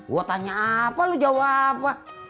gua tanya apa lu jawab apa